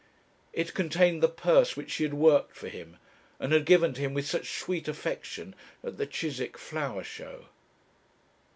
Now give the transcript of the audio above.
It contained the purse which she had worked for him, and had given to him with such sweet affection at the Chiswick flower show.